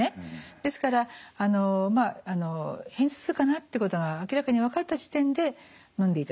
ですから片頭痛かなってことが明らかに分かった時点でのんでいただく。